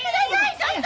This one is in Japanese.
ちょっと！